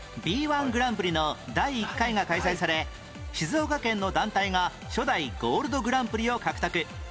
Ｂ−１ グランプリの第１回が開催され静岡県の団体が初代ゴールドグランプリを獲得